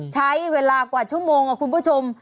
ใช้เวลากว่าชั่วโมงค่ะคุณผู้ชม